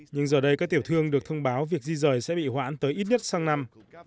nhưng giờ đây các tiểu thương được thông báo việc di rời sẽ bị hoãn tới ít nhất sang năm